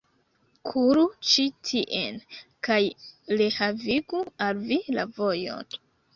Kuru ĉi tien, kaj rehavigu al vi la vojon!